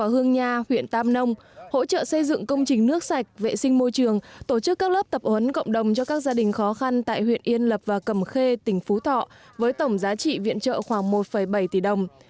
hỗ trợ xây dựng công trình nước sạch vệ sinh môi trường tổ chức các lớp tập huấn cộng đồng cho các gia đình khó khăn tại huyện yên lập và cầm khê tỉnh phú thọ với tổng giá trị viện trợ khoảng một bảy tỷ đồng